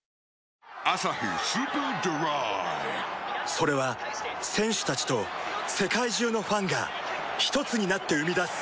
それは選手たちと世界中のファンがひとつになって生み出す